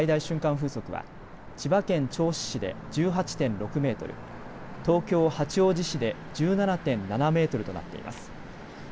風速は千葉県銚子市で１８．６メートル、東京八王子市で１７．７メートルとなっています。